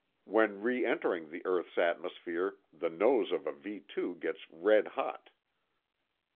When re entering the earth's atmosphere the nose of a V 2 gets red hot.